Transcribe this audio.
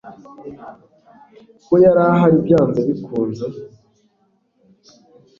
ko yari ahari byanze bikunze